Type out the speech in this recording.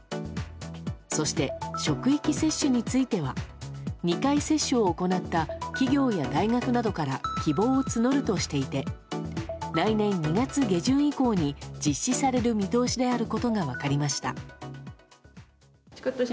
そして職域接種については２回、接種を行った企業や大学などから希望を募るとしていて来年２月下旬以降に実施される見通しであることが分かりました。